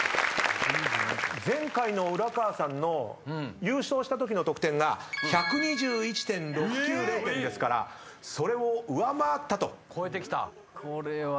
前回の浦川さんの優勝したときの得点が１２１．６９０点ですからそれを上回ったと。